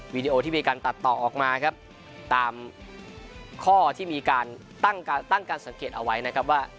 ดีโอที่มีการตัดต่อออกมาครับตามข้อที่มีการตั้งการสังเกตเอาไว้นะครับว่า